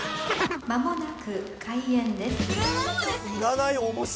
［間もなく開演です］